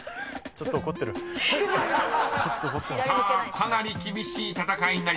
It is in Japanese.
［かなり厳しい戦いになります］